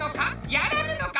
やらぬのか？